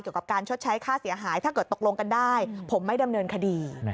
กับการชดใช้ค่าเสียหายถ้าเกิดตกลงกันได้ผมไม่ดำเนินคดี